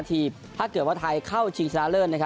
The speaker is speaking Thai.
ถ้าเกิดไทยเข้าจีนชนะเริ่ม